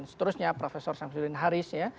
dan seterusnya prof syamsuddin haris